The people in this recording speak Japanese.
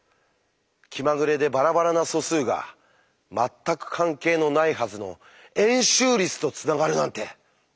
気まぐれでバラバラな素数が全く関係のないはずの円周率とつながるなんてすごい！